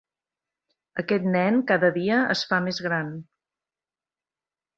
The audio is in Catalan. Aquest nen cada dia es fa més gran.